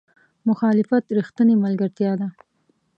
مخالفت رښتینې ملګرتیا ده.